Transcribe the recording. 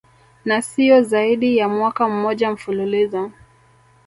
na siyo zaidi ya mwaka mmoja mfululizo